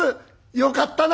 「よかったな」。